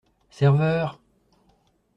Serveur !